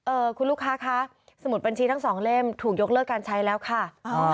เอ่อคุณลูกค้าค่ะสมุทรบัญชีทั้ง๒เล่มถูกยกเลิกการใช้แล้วค่ะ